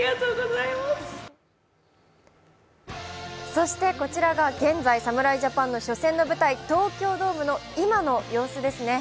そして、こちらが現在侍ジャパンの初戦の舞台、東京ドームの今の様子ですね。